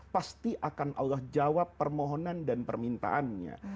pasti akan allah jawab permohonan dan permintaannya